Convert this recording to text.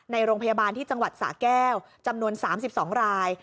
ในโรงพยาบาลที่จังหวัดสะแก้วจำนวน๓๒ราย